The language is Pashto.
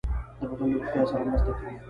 د بدن له روغتیا سره مرسته کوي.